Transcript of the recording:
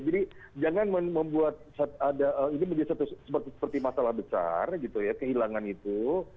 jangan membuat ini menjadi seperti masalah besar gitu ya kehilangan itu